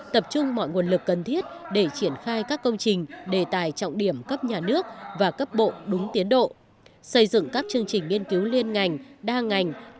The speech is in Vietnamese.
tập trung mọi nguồn lực cần thiết để triển khai các công trình đề tài trọng điểm cấp nhà nước và cấp bộ đúng tiến độ xây dựng các chương trình nghiên cứu liên ngành đa ngành